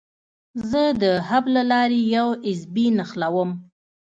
زه د هب له لارې یو ایس بي نښلوم.